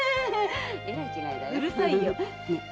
えらい違いだよ。うるさいよ。ねえ？